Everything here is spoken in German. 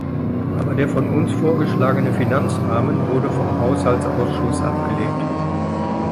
Aber der von uns vorgeschlagene Finanzrahmen wurde vom Haushaltsausschuss abgelehnt.